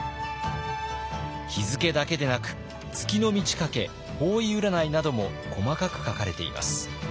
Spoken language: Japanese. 日付だけでなく月の満ち欠け方位占いなども細かく書かれています。